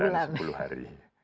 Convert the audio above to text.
satu bulan sepuluh hari